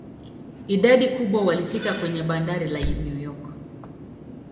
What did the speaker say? Idadi kubwa walifika kwenye bandari la New York.